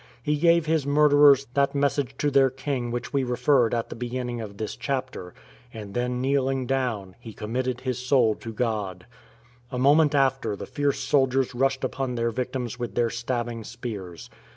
He gave his murderers that message to their king to which we referred at the beginning of this chapter ; and then kneel ing down, he committed his soul to God. A moment after the fierce soldiers rushed upon their victims with their stabbing spears.